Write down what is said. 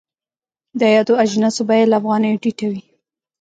د یادو اجناسو بیه له افغانیو ټیټه وي.